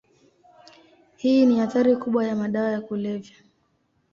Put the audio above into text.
Hii ni athari kubwa ya madawa ya kulevya.